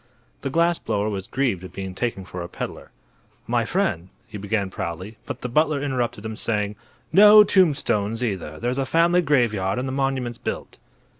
The glass blower was grieved at being taken for a peddler. "My friend," he began, proudly; but the butler interrupted him, saying: "No tombstones, either; there's a family graveyard and the monument's built."